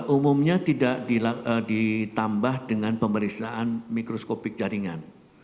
umumnya tidak ditambah dengan pemeriksaan mikroskopik jaringan